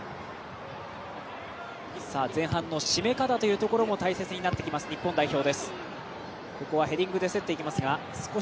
前半の締め方というところ大切になってきます、日本代表。